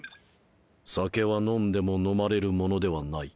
酒は飲んでも飲まれるものではない。